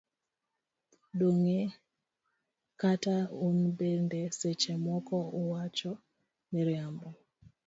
Donge kata un bende seche moko uwacho miriambo.